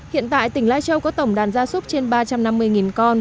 hiện tại tỉnh lai châu có tổng đàn gia súc trên ba trăm năm mươi con